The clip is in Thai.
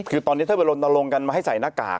คือตอนนี้ถ้าไปลนลงกันมาให้ใส่หน้ากาก